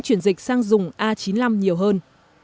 chuyển dịch sang dùng a chín mươi năm nhiều hơn